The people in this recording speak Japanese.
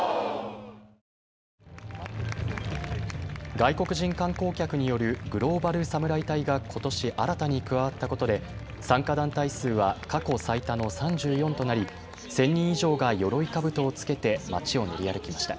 外国人観光客によるグローバル・サムライ隊がことし新たに加わったことで参加団体数は過去最多の３４となり、１０００人以上がよろいかぶとを着けて街を練り歩きました。